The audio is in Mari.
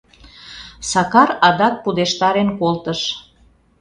Сакар адак пудештарен колтыш.